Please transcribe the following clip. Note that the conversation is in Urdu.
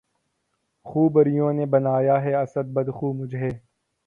خوبرویوں نے بنایا ہے اسد بد خو مجھے